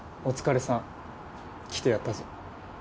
お疲れさん来てやったぞ。